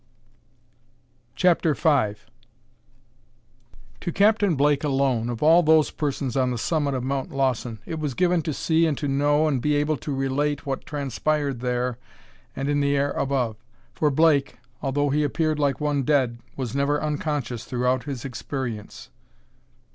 CHAPTER V To Captain Blake alone, of all those persons on the summit of Mount Lawson, it was given to see and to know and be able to relate what transpired there and in the air above. For Blake, although he appeared like one dead, was never unconscious throughout his experience.